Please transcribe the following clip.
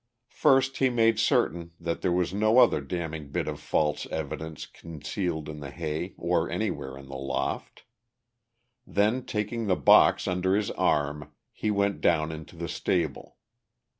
First he made certain that there was no other damning bit of false evidence concealed in the hay or any where in the loft. Then, taking the box under his arm, he went down into the stable.